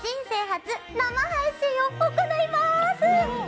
初生配信を行います！